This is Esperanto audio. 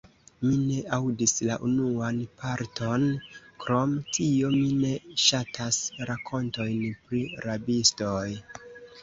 Mi ne aŭdis la unuan parton; krom tio, mi ne ŝatas rakontojn pri rabistoj.